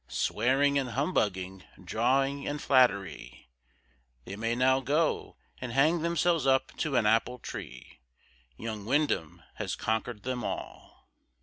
Swearing and humbugging, jawing and flattery, They may now go and hang themselves up to an apple tree, Young Windham has conquered them all.